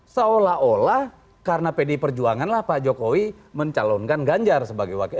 seolah olah karena pdi perjuangan lah pak jokowi mencalonkan ganjar sebagai wakil